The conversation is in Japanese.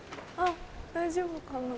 大丈夫かな。